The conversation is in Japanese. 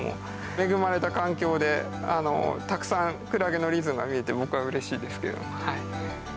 恵まれた環境でたくさんクラゲのリズムが見れて僕はうれしいですけれども。